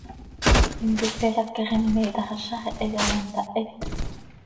Intisil haquix immiih tax ¿áz haxehe chaaya ntahit?